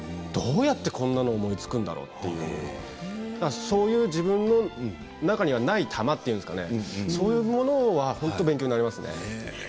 どうやってこういうのを思いつくんだというそういう自分の中にはない球というんでしょうかそういうものは本当に勉強になりますね。